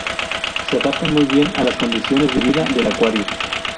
Se adaptan muy bien a las condiciones de vida del acuario.